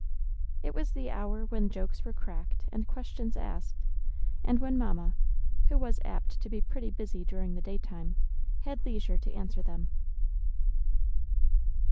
It was the hour when jokes were cracked and questions asked, and when Mamma, who was apt to be pretty busy during the daytime, had leisure to answer them.